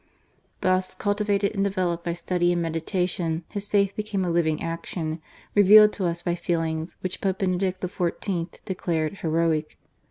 Thus, cultivated and developed by study and meditation, his faith became a living action, re vealed to us by feelings which Pope Benedict XIV. declared "heroic."